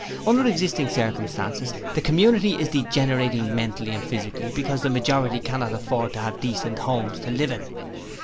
'Under existing circumstances the community is degenerating mentally and physically because the majority cannot afford to have decent houses to live in.